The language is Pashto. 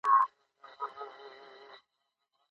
ړوند هلک له ډاره په اوږه باندي مڼه نه ساتي.